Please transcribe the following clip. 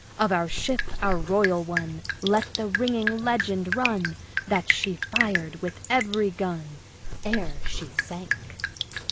Of our ship, our royal one, let the ringing legend run, that she fired with every gun Ere she sank."